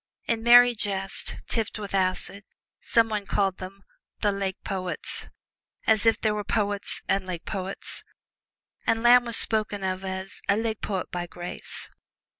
In merry jest, tipped with acid, some one called them "The Lake Poets," as if there were poets and lake poets. And Lamb was spoken of as "a Lake Poet by grace."